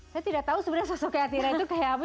saya tidak tahu sebenarnya sosoknya atirah itu kayak apa